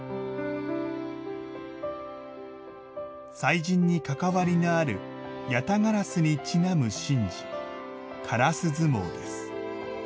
祭神にかかわりのあるヤタガラスにちなむ神事烏相撲です。